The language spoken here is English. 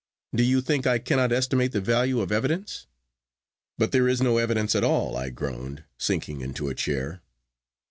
Do you think I cannot estimate the value of evidence?' 'But there is no evidence at all,' I groaned, sinking into a chair.